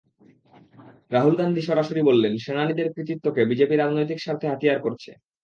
রাহুল গান্ধী সরাসরি বললেন, সেনানীদের কৃতিত্বকে বিজেপি রাজনৈতিক স্বার্থে হাতিয়ার করছে।